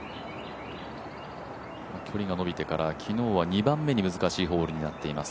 距離がのびてから、昨日から２番目に難しいホールになっています。